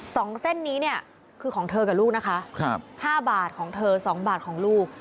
สองเส้นนี้เนี่ยคือของเธอกับลูกนะคะครับห้าบาทของเธอสองบาทของลูก